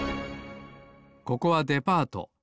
ここはデパート。